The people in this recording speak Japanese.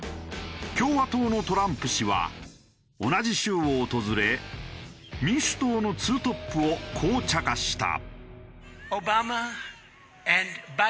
共和党のトランプ氏は同じ州を訪れ民主党のツートップをこうちゃかした。